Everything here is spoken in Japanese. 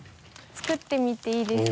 作ってみていいですか？